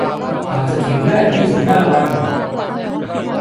ห่างจากเข็มแรกยี่สิบห้าวัน